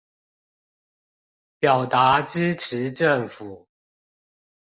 表達支持政府